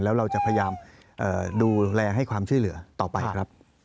แล้วเราจะพยายามดูแลให้ความช่วยเหลือต่อไปครับ